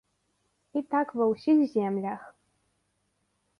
І так ва ўсіх землях.